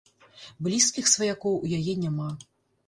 Блізкіх сваякоў у яе няма.